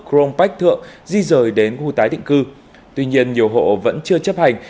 crong bách thượng di rời đến khu tái thịnh cư tuy nhiên nhiều hộ vẫn chưa chấp hành